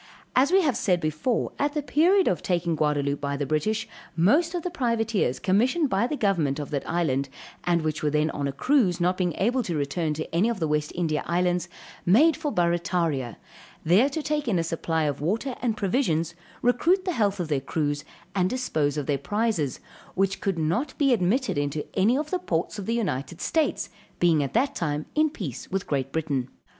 _] As we have said before, at the period of the taking of Gaudaloupe by the British, most of the privateers commissioned by the government of that island, and which were then on a cruise, not being able to return to any of the West India Islands, made for Barrataria, there to take in a supply of water and provisions, recruit the health of their crews, and dispose of their prizes, which could not be admitted into any of the ports of the United States, we being at that time in peace with Great Britain.